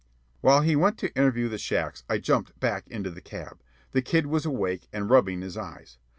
While he went to interview the shacks, I jumped back into the cab. The kid was awake and rubbing his eyes.